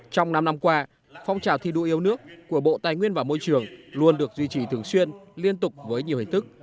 trong năm năm qua phong trào thi đua yêu nước của bộ tài nguyên và môi trường luôn được duy trì thường xuyên liên tục với nhiều hình thức